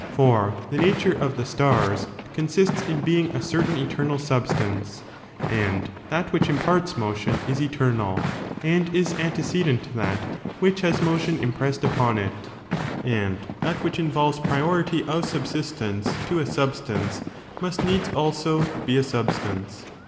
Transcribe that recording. For the nature of the stars consists in being a certain eternal substance,^ and that which imparts motion is eternal, and is antecedent to that which has motion impressed upon it ; and that which involves priority of subsistence to a substance must needs also be a substance.